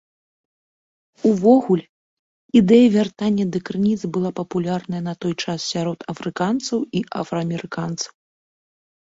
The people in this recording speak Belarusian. Увогуле, ідэя вяртання да крыніц была папулярная на той час сярод афрыканцаў і афраамерыканцаў.